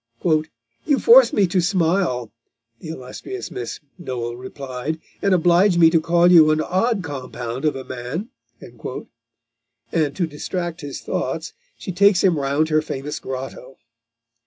"You force me to smile (the illustrious Miss Noel replied), and oblige me to call you an odd compound of a man," and to distract his thoughts, she takes him round her famous grotto.